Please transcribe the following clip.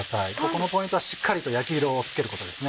ここのポイントはしっかりと焼き色をつけることです。